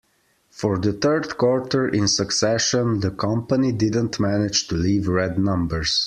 For the third quarter in succession, the company didn't manage to leave red numbers.